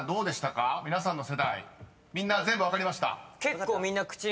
みんな全部分かりました？］